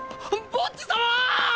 ボッジ様！！